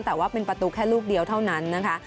แต่ว่าเป็นประตูแค่ลูกเดียวเท่านั้นนะคะ